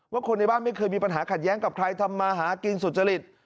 คนในบ้านไม่เคยมีปัญหาขัดแย้งกับใครทำมาหากินสุจริต